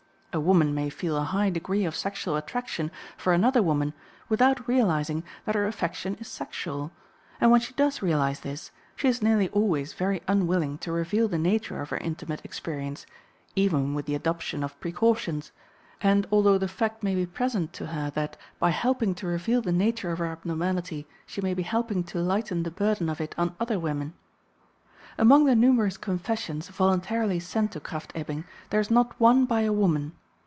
A woman may feel a high degree of sexual attraction for another woman without realizing that her affection is sexual, and when she does realize this, she is nearly always very unwilling to reveal the nature of her intimate experience, even with the adoption of precautions, and although the fact may be present to her that, by helping to reveal the nature of her abnormality, she may be helping to lighten the burden of it on other women. Among the numerous confessions voluntarily sent to Krafft Ebing there is not one by a woman.